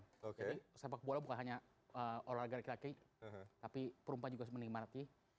jadi sepak bola bukan hanya orang laki laki tapi perempuan juga sebenarnya